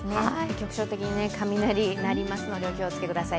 局所的に雷、鳴りますのでお気をつけください。